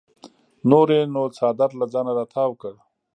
نور یې نو څادر له ځانه راتاو کړ.